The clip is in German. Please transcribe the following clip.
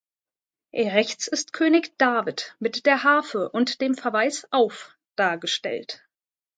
Rechts ist König David mit der Harfe und dem Verweis auf dargestellt.